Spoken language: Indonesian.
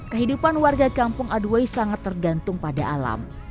kehidupan warga kampung aduway sangat tergantung pada alam